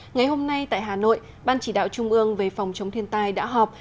ngày hôm nay tại hà nội ban chỉ đạo trung ương về phòng chống thiên tai đã họp